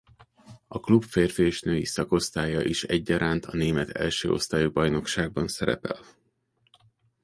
A klub férfi és női szakosztálya is egyaránt a német első osztályú bajnokságban szerepel.